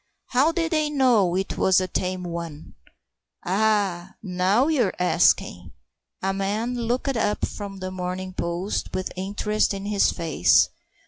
"How did they know it was a tame one?" "Ah, now you're asking!" A man looked up from The Morning Post with interest in his face.